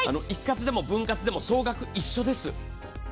一括でも分割でも総額は一緒です。